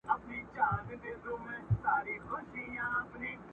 نه شرنګی سته د سندرو نه یې زور سته په لنډۍ کي.!